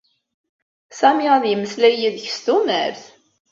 Sami ad yemmeslay yid-k s tumert.